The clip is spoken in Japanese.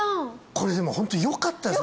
これでもホントによかったです